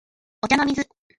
お茶の水